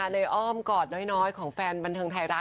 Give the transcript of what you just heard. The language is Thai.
อ้อมกอดน้อยของแฟนบันเทิงไทยรัฐ